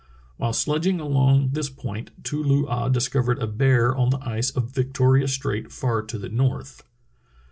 While sledging along this point Too loo ah discovered a bear on the ice of Victoria Strait far to the north.